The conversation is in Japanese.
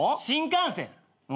新幹線。